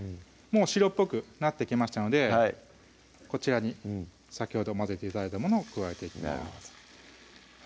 もう白っぽくなってきましたのでこちらに先ほど混ぜて頂いたものを加えていきます